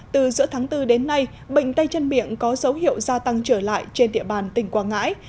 từ giữa tháng bốn đến nay bệnh tay chân miệng có dấu hiệu gia tăng trở lại trên địa bàn tỉnh quảng ngãi